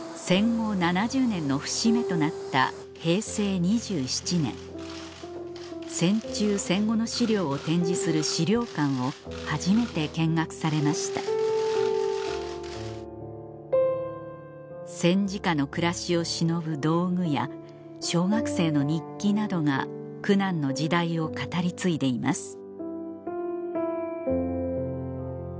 戦後７０年の節目となった平成２７年戦中戦後の資料を展示する資料館を初めて見学されました戦時下の暮らしをしのぶ道具や小学生の日記などが苦難の時代を語り継いでいます